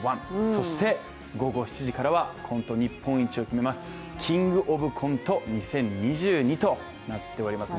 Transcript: そして午後７時からはコント日本一を決めます「キングオブコント２０２２」となっております。